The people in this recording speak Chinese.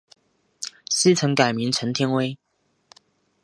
昔曾改名陈天崴。